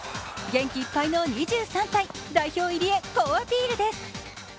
元気いっぱいの２３歳、代表入りへ好アピールです。